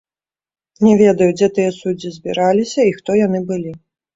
Не ведаю, дзе тыя суддзі збіраліся і хто яны былі.